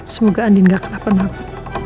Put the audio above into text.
semoga andien gak kena penapa